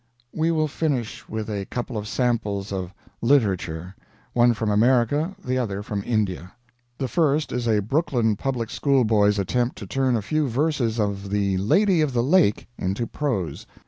We will finish with a couple of samples of "literature," one from America, the other from India. The first is a Brooklyn public school boy's attempt to turn a few verses of the "Lady of the Lake" into prose.